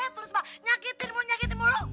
terus bang nyakitinmu nyakitinmu lu